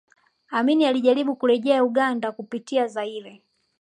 Amin alijaribu kurejea Uganda kupitia Zaire